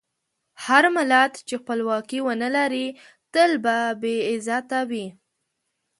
هر ملت چې خپلواکي ونه لري، تل به بې عزته وي.